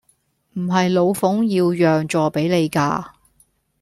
唔係老奉要讓坐比你㗎